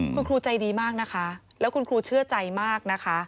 คุณครูใจดีมากนะคะแล้วคุณครูเชื่อใจมากนะคะ